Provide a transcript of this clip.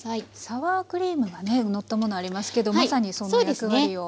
サワークリームがねのったものありますけどまさにその役割を。